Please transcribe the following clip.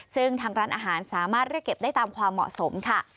ซึ่งทางร้านอาหารสามารถเรียกเก็บได้ตามความเหมาะสมค่ะ